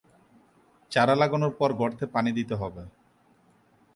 চারা লাগানোর পর গর্তে পানি দিতে হবে।